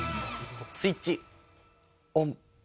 スイッチオン。